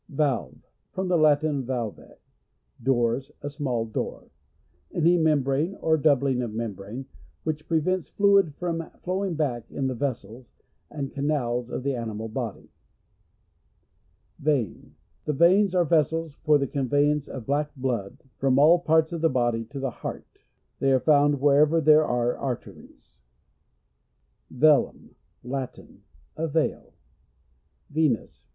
Valve. — From the Latin, valva, doors — a small door. Any membrane or doubling of membrane which pre vents fluids from flowing back in the vessels and canals of the ani mal body. Vein. — The veins are vessels for the conveyance of black blood from all part3 of the body to th* heart. They are found wherever there are arteries. Velum. — Latin. A veil. Venous.